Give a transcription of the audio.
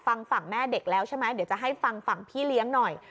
ฝั่งฝั่งแม่เด็กแล้วใช่ไหมเดี๋ยวจะให้ฟังฝั่งพี่เลี้ยงหน่อย